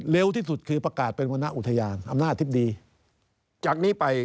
เร็วที่สุดคือประกาศเป็นวนาอุทยานอำนาจที่ดี